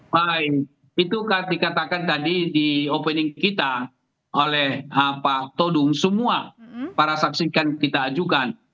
baik itu dikatakan tadi di opening kita oleh pak todung semua para saksi kan kita ajukan